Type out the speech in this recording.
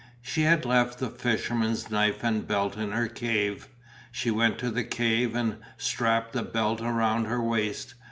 She had left the fisherman's knife and belt in her cave; she went to the cave and strapped the belt around her waist.